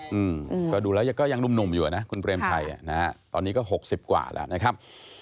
อะอื้มก็ดูแล้วก็ยังนุ่มอยู่แหละคุณเปรมชัยตอนนี้ก็๖๐กว่าแล้วนะครับ